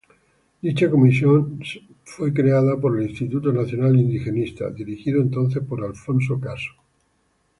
Dicha comisión fue creada por el Instituto Nacional Indigenista, dirigido entonces por Alfonso Caso.